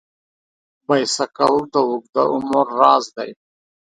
بایسکل د اوږده عمر راز دی.